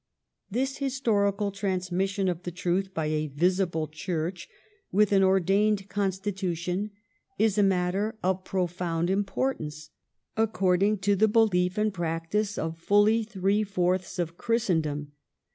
... This historical transmis sion of the truth by a visible Church with an « ordained constitution is a matter of profound importance, according to the belief and practice of fully three fourths of Christendom.